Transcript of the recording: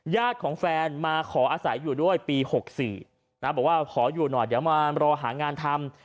ของแฟนมาขออาศัยอยู่ด้วยปี๖๔นะบอกว่าขออยู่หน่อยเดี๋ยวมารอหางานทำ